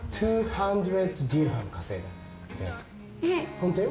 ホントよ。